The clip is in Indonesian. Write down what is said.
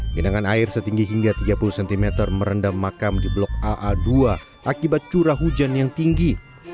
genangan air setinggi hingga tiga puluh cm merendam makam di blok aa dua akibat curah hujan yang tinggi